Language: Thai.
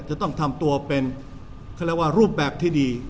จะต้องทำตัวเป็นเขาเรียกว่ารูปแบบที่ดี